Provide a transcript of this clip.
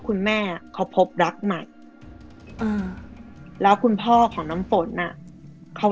คุณแม่เขาพบรักใหม่อ่าแล้วคุณพ่อของน้ำฝนอ่ะเขา